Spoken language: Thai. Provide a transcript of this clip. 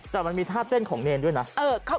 แต่มันมีท่าเต้นของเนรด้วยนะ